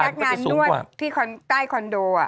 ก็พนักงานนวดที่ใต้คอนโดอะ